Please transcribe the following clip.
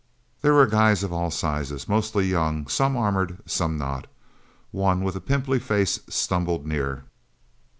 There were guys of all sizes, mostly young, some armored, some not. One with a pimply face stumbled near.